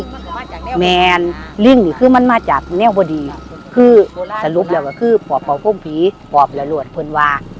มันมาจากแนวบดีแมนลิ่งนี่คือมันมาจากแนวบดีคือสรุปแล้วก็คือปอบป่าวโค้งผีปอบหละหลวดเพิ่งวา